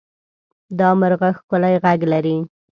دا مرغه ښکلی غږ لري.